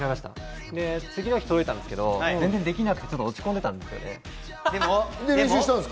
次の日届いたんですけどできなくて落ち込んでたんです。